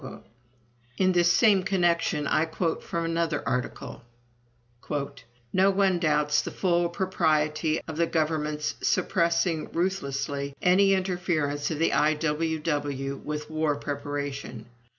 In this same connection I quote from another article: "No one doubts the full propriety of the government's suppressing ruthlessly any interference of the I.W.W. with war preparation.